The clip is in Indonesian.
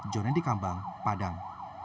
jonedi kambang padang